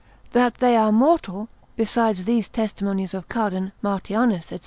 That they are mortal, besides these testimonies of Cardan, Martianus, &c.